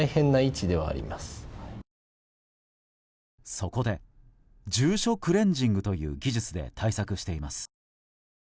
そこで住所クレンジングという技術で対策しています。